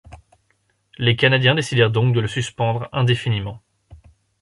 Les Canadiens décidèrent donc de le suspendre indéfiniment.